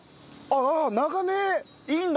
ああ眺めいいんだ。